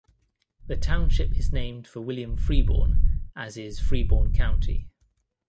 The township is named for William Freeborn, as is Freeborn County.